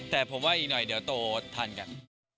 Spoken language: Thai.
แต่ผมว่าอีกหน่อยเดี๋ยวโตทานกัน